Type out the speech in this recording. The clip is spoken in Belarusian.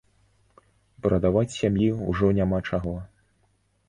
Прадаваць сям'і ўжо няма чаго.